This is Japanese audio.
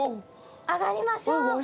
上がりましょう。